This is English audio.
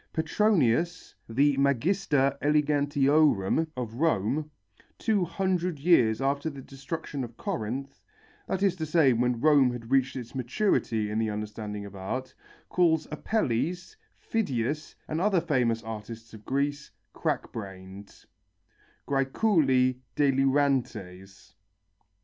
Petronius, the magister elegantiorum of Rome, two hundred years after the destruction of Corinth, that is to say when Rome had reached its maturity in the understanding of art, calls Apelles, Phidias and other famous artists of Greece, crack brained (græculi delirantes).